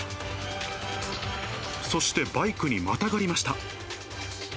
そしてバイクにまたがりました。